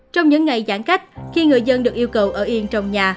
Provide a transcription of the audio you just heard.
trong những ngày giãn cách khi người dân được yêu cầu ở yên trong nhà